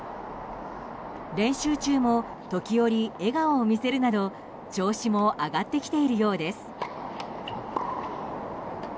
練習中も時折、笑顔を見せるなど調子も上がってきているようです。